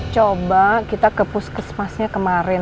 coba kita ke puskesmasnya kemarin